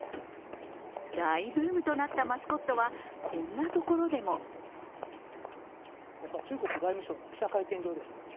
大ブームとなったマスコットはこんなところでもここは中国外務省の記者会見場です。